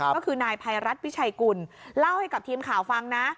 ก็คือนายภัยรัฐวิชัยกุลเล่าให้กับทีมข่าวฟังนะ